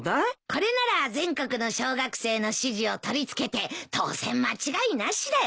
これなら全国の小学生の支持を取り付けて当選間違いなしだよ。